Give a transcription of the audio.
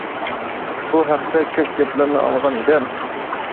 بۇ ھەقتە كۆپ گەپلەرنى ئاڭلىغان ئىدىم.